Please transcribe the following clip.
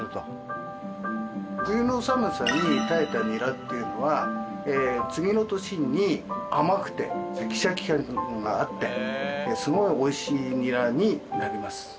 冬の寒さに耐えたニラっていうのは次の年に甘くてシャキシャキ感があってすごい美味しいニラになります。